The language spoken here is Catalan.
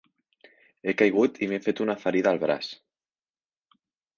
He caigut i m'he fet una ferida a la braç.